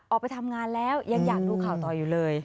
ออกไปทำงานแล้วยังอยากดูข่าวต่ออยู่เลย